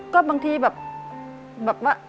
ก็บางทีแบบว่า